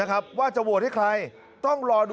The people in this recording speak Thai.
สมัยไม่เรียกหวังผม